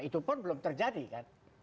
itu pun belum terjadi kan